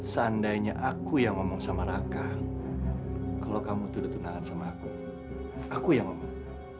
seandainya aku yang ngomong sama raka kalau kamu tuh udah tunangan sama aku aku yang ngomong